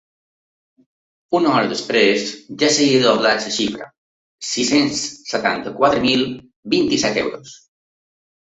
Una hora després, ja s’havia doblat la xifra: sis-cents setanta-quatre mil vint-i-set euros.